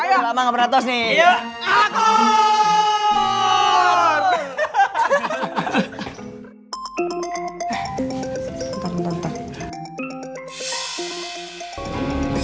lama gak pernah tos nih